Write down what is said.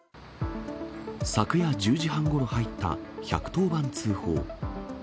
昨夜１０時半ごろ入った１１０番通報。